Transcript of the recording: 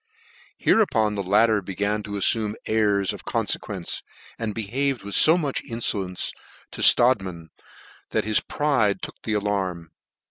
Hereupon the latter began to afl'ume airs of confequence, and behaved with fo much infolencc to Strodtman, that his pride took the alarm.